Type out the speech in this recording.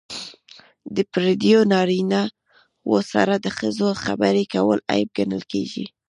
د پردیو نارینه وو سره د ښځو خبرې کول عیب ګڼل کیږي.